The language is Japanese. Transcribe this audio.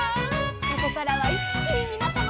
「ここからはいっきにみなさまを」